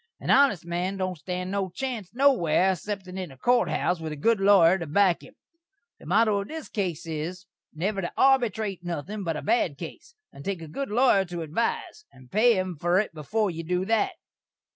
An honest man don't stan no chance nowhere xceptin' in a court house with a good lawyer to back him. The motto of this case is, never to arbytrate nuthin' but a bad case, and take a good lawyer to advise, and pay him fur it before you do that.